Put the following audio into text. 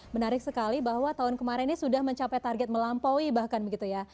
menarik sekali bahwa tahun kemarin ini sudah mencapai target melampaui bahkan begitu ya